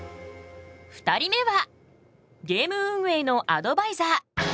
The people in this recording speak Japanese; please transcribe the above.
２人目はゲーム運営のアドバイザー。